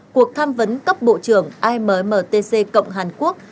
cuộc tham vấn cấp bộ trưởng ammtc cộng hàn quốc